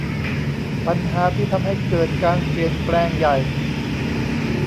ปัญหาที่ทำให้เกิดการเปลี่ยนแปลงใหญ่